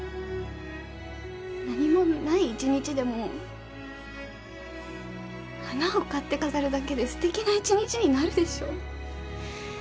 何もない一日でも花を買って飾るだけですてきな一日になるでしょう？